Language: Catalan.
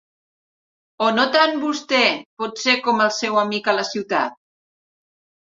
O no tant vostè, potser, com el seu amic a la ciutat?